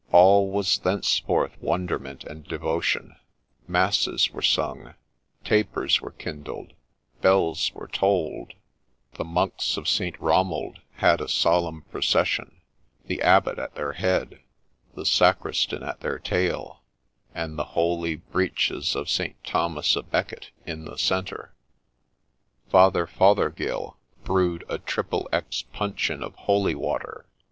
All was thenceforth wonderment and devotion. Masses were sung, tapers were kindled, bells were tolled ; the monks of St. Romuald had a solemn procession, the abbot at their head, the sacristan at their tail, and the holy breeches of A LEGEND OF SHEPPEY 41 St. Thomas a Becket in the centre ;— Father Fothergill brewed a XXX puncheon of holy water.